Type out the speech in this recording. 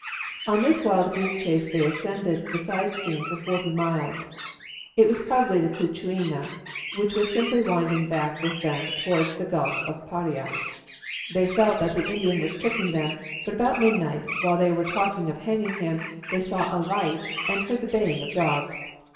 On this wild goose chase they ascended the side stream for forty miles; it was probably the Cucuina, which was simply winding back with them towards the Gulf of Paria. They felt that the Indian was tricking them, but about midnight, while they were talking of hanging him, they saw a light and heard the baying of dogs.